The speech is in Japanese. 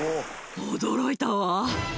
驚いたわ。